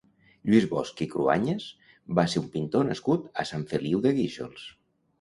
Lluís Bosch i Cruañas va ser un pintor nascut a Sant Feliu de Guíxols.